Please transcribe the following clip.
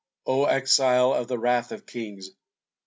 O Exile of the wrath of kings!